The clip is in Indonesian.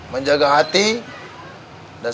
menjaga hati dan